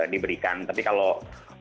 diberikan tapi kalau